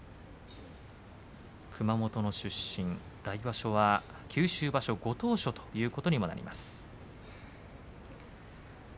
熊本の出身来場所は九州場所、ご当所ということにもなります。